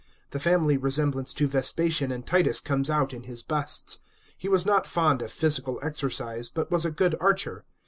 The family re semblance to Vespasian and Titus comes out in his busts. He was not fond of physical exercise, but was a good archer.